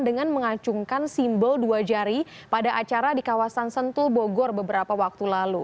dengan mengacungkan simbol dua jari pada acara di kawasan sentul bogor beberapa waktu lalu